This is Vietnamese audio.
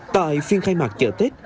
tại phiên khai mạc chợ tết